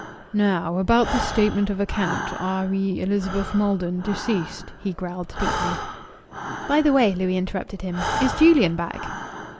"Now about this statement of account re Elizabeth Maldon, deceased," he growled deeply. "By the way," Louis interrupted him. "Is Julian back?"